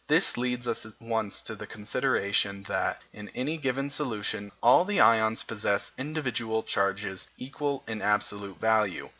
This leads us at once to the consideration that, in any given solution, all the ions possess individual charges equal in absolute value.